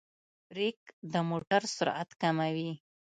برېک د موټر سرعت کموي.